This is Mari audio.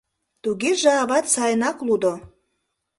— Тугеже ават сайынак лудо?